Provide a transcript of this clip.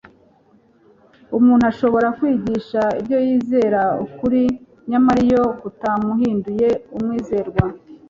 Umuntu ashobora kwigisha ibyo yizera ukuri nyamara iyo kutamuhinduye umwizerwa,